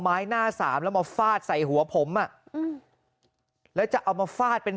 ไม้หน้าสามแล้วมาฟาดใส่หัวผมอ่ะอืมแล้วจะเอามาฟาดเป็น